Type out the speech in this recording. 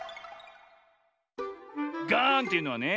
ガーンというのはね